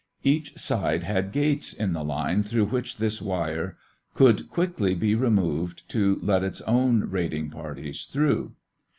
Each side had "gates" in the line through which this wire could quickly be removed to let its own raiding parties through.